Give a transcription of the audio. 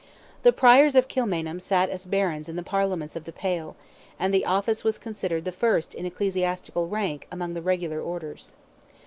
The Priors of Kilmainham sat as Barons in the Parliaments of "the Pale," and the office was considered the first in ecclesiastical rank among the regular orders.